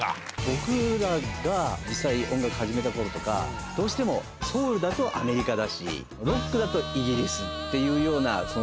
僕らが実際音楽始めた頃とかどうしてもソウルだとアメリカだしロックだとイギリスっていうような。